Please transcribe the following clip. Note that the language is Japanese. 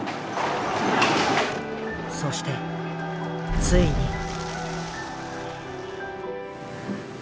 そしてついに。